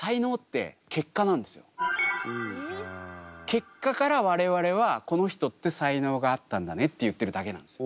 結果から我々はこの人って才能があったんだねって言ってるだけなんですよ。